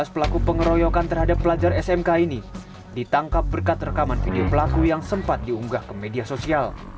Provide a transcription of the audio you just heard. dua belas pelaku pengeroyokan terhadap pelajar smk ini ditangkap berkat rekaman video pelaku yang sempat diunggah ke media sosial